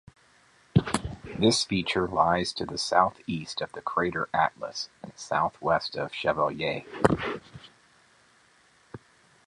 This feature lies to the southeast of the crater Atlas, and southwest of Chevallier.